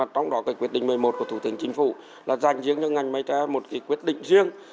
trong đó quyết định một mươi một của thủ tướng chính phủ là dành cho ngành mây tre một quyết định riêng